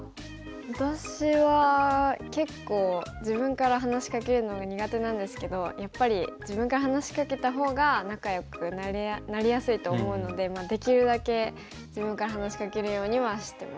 私は結構自分から話しかけるのが苦手なんですけどやっぱり自分から話しかけたほうが仲よくなりやすいと思うのでできるだけ自分から話しかけるようにはしてます。